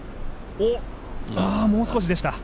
もう少しでした。